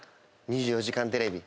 『２４時間テレビ』